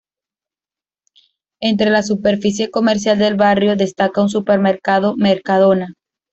Entre la superficie comercial del barrio, destaca un supermercado Mercadona.